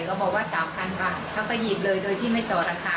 เขาบอกว่า๓๐๐๐บาทเขาก็หยิบเลยโดยที่ไม่ต่อราคา